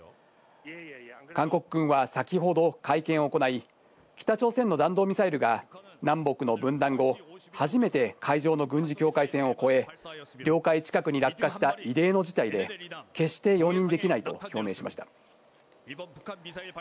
韓国軍は先ほど会見を行い、北朝鮮の弾道ミサイルが南北の分断後初めて海上の軍事境界線を越え、領海近くに落下した異例の事態で、決して容認できないと表明しました。